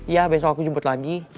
ya besok aku jemput lagi